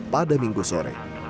pada minggu sore